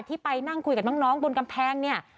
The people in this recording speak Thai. ไปนั่งคุยกับน้องบนกำแพงเนี่ย